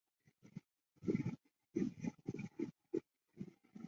而当时荒木村重有所向无敌的毛利村上水军作海援。